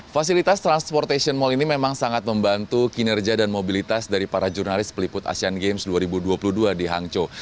fasilitas transportation mall ini memang sangat membantu kinerja dan mobilitas dari para jurnalis peliput asean games dua ribu dua puluh dua di hangzhou